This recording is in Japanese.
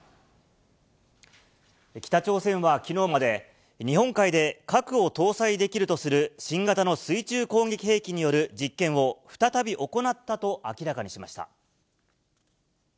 北朝鮮はきのうまで、日本海で、核を搭載できるとする新型の水中攻撃兵器による実験を再び行ったと明らかにしました。